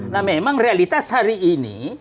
nah memang realitas hari ini